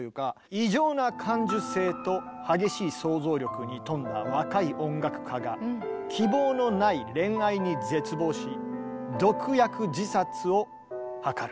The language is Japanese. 「異常な感受性と激しい想像力に富んだ若い音楽家が希望のない恋愛に絶望し毒薬自殺を図る。